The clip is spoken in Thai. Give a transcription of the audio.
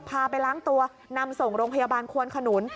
พาไปล้างตัวนำส่งโรงพยาบาลควนขนุน